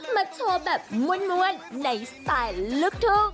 มาโชว์แบบรวดในสไตล์ลึกทุก